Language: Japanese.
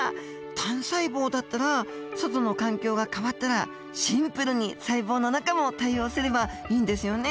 単細胞だったら外の環境が変わったらシンプルに細胞の中も対応すればいいんですよね。